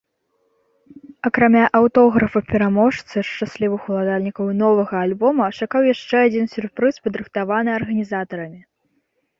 Акрамя аўтографа пераможцы шчаслівых уладальнікаў новага альбома чакаў яшчэ адзін сюрпрыз, падрыхтаваны арганізатарамі.